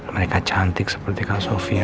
mereka cantik seperti kalau sofia